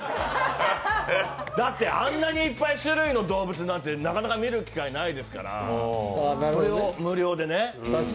だってあんなにいっぱい種類の動物なんて見ることなかなかないですしそれを無料でね。